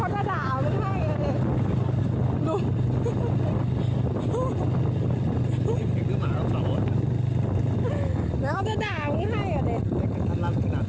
เขาจะด่าให้แม่งทำลูกกัน